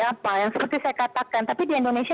apa yang seperti saya katakan tapi di indonesia